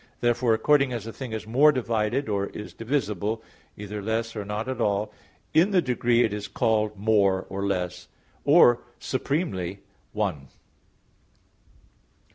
Therefore according as a thing is more divided, or is divisible, either less or not at all, in the degree it is called more, or less, or supremely, _one.